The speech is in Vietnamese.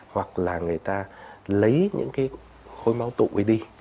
hoặc là người ta lấy những cái khối máu tụi đi